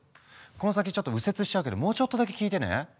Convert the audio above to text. この先ちょっと右折しちゃうけどもうちょっとだけ聞いてね。